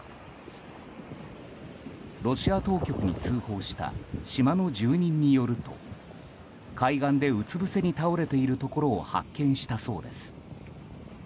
ロシア当局に通報した島の住人によると海岸でうつぶせに倒れているところを発見したそうです。